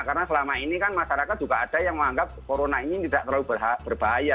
karena selama ini kan masyarakat juga ada yang menganggap corona ini tidak terlalu berbahaya